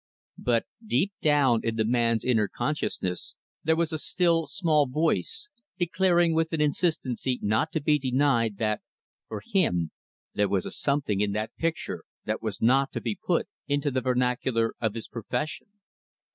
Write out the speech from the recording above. But deep down in the man's inner consciousness there was a still, small voice declaring, with an insistency not to be denied, that for him there was a something in that picture that was not to be put into the vernacular of his profession.